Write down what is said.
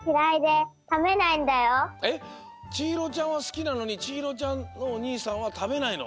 ちひろちゃんはスキなのにちひろちゃんのおにいさんはたべないの？